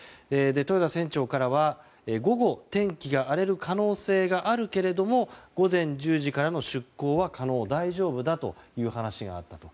豊田船長からは午後、天気が荒れる可能性があるけれども午前１０時からの出航は可能大丈夫だという話があった。